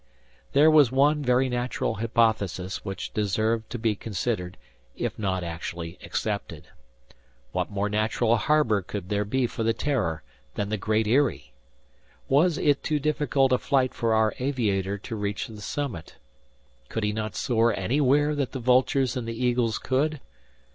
There was one very natural hypothesis which deserved to be considered, if not actually accepted. What more natural harbor could there be for the "Terror" than the Great Eyrie? Was it too difficult a flight for our aviator to reach the summit? Could he not soar anywhere that the vultures and the eagles could?